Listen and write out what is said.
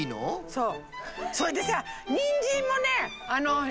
そう。